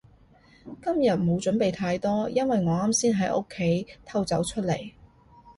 今日冇準備太多，因為我啱先喺屋企偷走出嚟